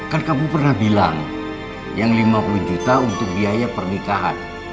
kan kamu pernah bilang yang lima puluh juta untuk biaya pernikahan